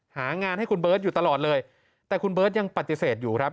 หางานให้คุณเบิร์ตอยู่ตลอดเลยแต่คุณเบิร์ตยังปฏิเสธอยู่ครับ